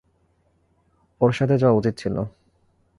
ওর সাথে যাওয়া উচিৎ ছিল।